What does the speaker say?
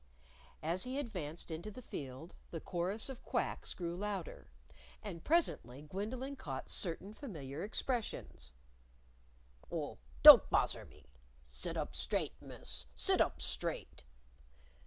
As he advanced into the field, the chorus of quacks grew louder. And presently Gwendolyn caught certain familiar expressions "Oh, don't bozzer me!" "Sit up straight, Miss! Sit up straight!"